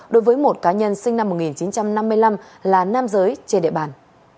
đối với một cá nhân sinh năm một nghìn chín trăm năm mươi năm là nam giới trên địa bàn